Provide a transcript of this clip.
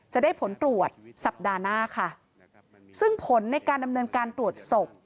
จะได้ผลตรวจสัปดาห์หน้าค่ะซึ่งผลในการดำเนินการตรวจศพ